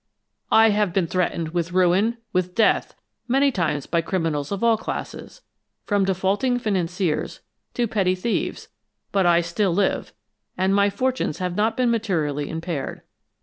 "I have been threatened with ruin, with death, many times by criminals of all classes, from defaulting financiers to petty thieves, but I still live, and my fortunes have not been materially impaired.